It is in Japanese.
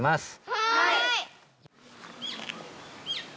はい！